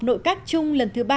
nội các chung lần thứ ba